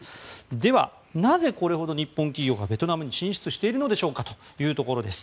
では、なぜこれほど日本企業がベトナムに進出しているのでしょうかというところです。